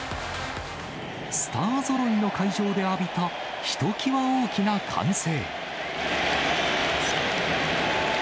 スターぞろいの会場で浴びたひときわ大きな歓声。